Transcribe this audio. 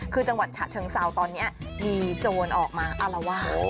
คือจังหวัดฉะเชิงเซาตอนนี้มีโจรออกมาอารวาส